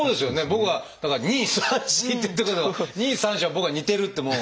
僕はだから２３４って言ったけど２３４は僕は似てるってもう。